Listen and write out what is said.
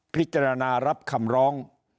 พิจารณารับคำร้อง